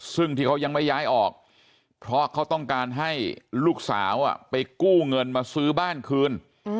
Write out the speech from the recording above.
ซึ่งที่เขายังไม่ย้ายออกเพราะเขาต้องการให้ลูกสาวไปกู้เงินมาซื้อบ้านคืน